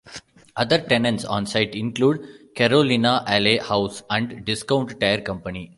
Other tenants on site include Carolina Ale House and Discount Tire Company.